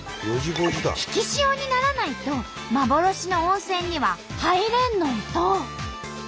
引き潮にならないと幻の温泉には入れんのんと！